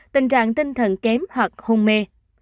năm tình trạng tinh thần kém hoặc hôn mê